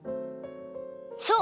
そう！